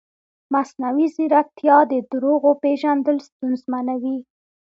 مصنوعي ځیرکتیا د دروغو پېژندل ستونزمنوي.